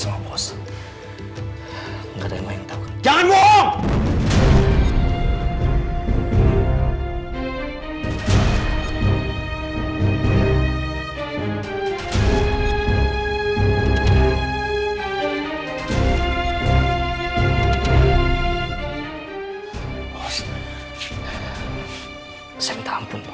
sisi rumah ini